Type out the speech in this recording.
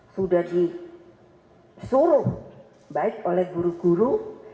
sudah disuruh baik oleh guru guru